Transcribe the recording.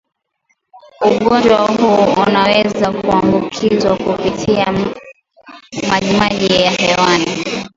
ugonjwa huu unaweza kuambukizwa kupitia majimaji ya hewani